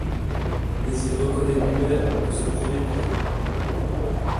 Mais il reconnaît lui-même que ce premier projet.